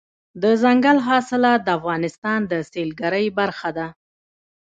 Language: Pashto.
دځنګل حاصلات د افغانستان د سیلګرۍ برخه ده.